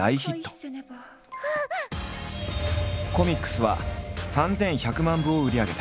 コミックスは３，１００万部を売り上げた。